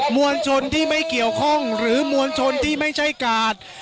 มวลชนที่ไม่เกี่ยวข้องหรือมวลชนที่ไม่ใช่กาด